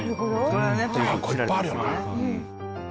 これいっぱいあるよな。